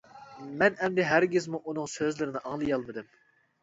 مەن ئەمدى ھەرگىزمۇ ئۇنىڭ سۆزلىرىنى ئاڭلىيالمىدىم.